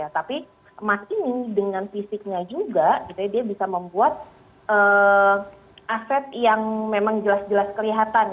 tapi emas ini dengan fisiknya juga dia bisa membuat aset yang memang jelas jelas kelihatan